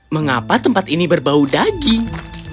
mengapa tempat ini berbau daging